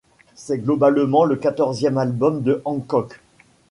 C'est globalement le quatorzième album de Hancock.